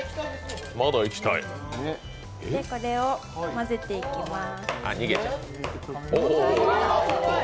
これを混ぜていきます。